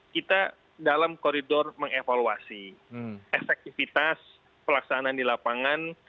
kita dalam koridor mengevaluasi efektivitas pelaksanaan di lapangan